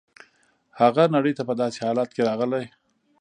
هغه نړۍ ته په داسې حالت کې راغلی.